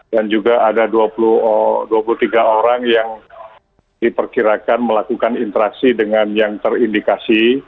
dan juga ada dua puluh tiga orang yang diperkirakan melakukan interaksi dengan yang terindikasi